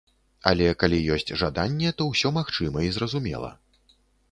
Але калі ёсць жаданне, то ўсё магчыма і зразумела.